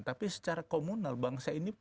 tapi secara komunal bangsa ini